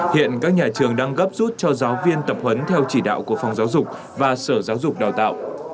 hiện các nhà trường đang gấp rút cho giáo viên tập huấn theo chỉ đạo của phòng giáo dục và sở giáo dục đào tạo